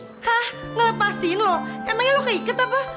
hah ngelepasin lo emangnya lo keikat apa